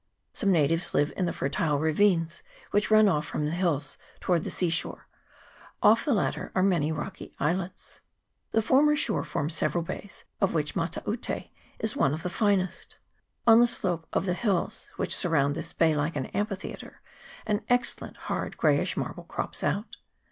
Some natives live in the fertile ravines which run off from the hills towards the sea shore : off the latter are many rocky islets. The shore forms several small bays, of which Mataute is one of the finest. On the slope of the hills, which surround this bay like an amphitheatre, an excellent hard greyish marble crops out.